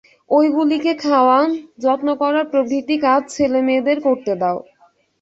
ঐগুলিকে খাওয়ান, যত্ন করা প্রভৃতি কাজ ছেলেমেয়েদের করতে দাও।